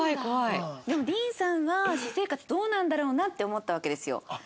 でもディーンさんは私生活どうなんだろうな？って思ったわけですよ。